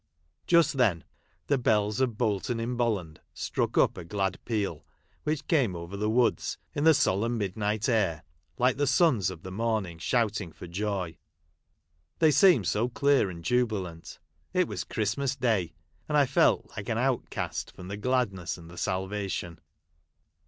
Just then the bells of Bolton in Bolland struck up a glad peal, which came over the woods, in the solemn midnight air, like the sons of the morning shouting for joy, — they seemed so clear and jubilant. It was Christmas Day ; and I felt like an outcast from the gladness and the salvation.